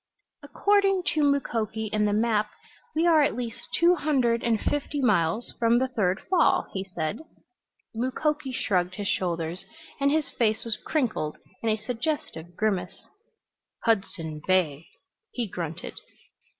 "According to Mukoki and the map we are at least two hundred and fifty miles from the third fall," he said. Mukoki shrugged his shoulders and his face was crinkled in a suggestive grimace. "Hudson Bay," he grunted.